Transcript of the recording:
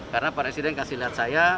karena pak presiden kasih lihat saya